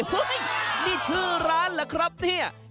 เฮ้ยนี่ชื่อร้านเหรอครับเนี่ย